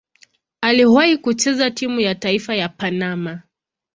Aliwahi kucheza timu ya taifa ya Panama.